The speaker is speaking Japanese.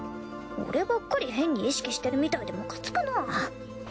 俺ばっかり変に意識してるみたいでムカつくなぁ。